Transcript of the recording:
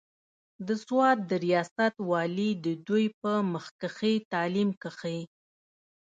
د سوات د رياست والي د دوي پۀ مخکښې تعليم کښې